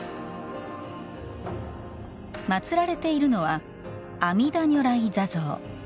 祭られているのは阿弥陀如来坐像。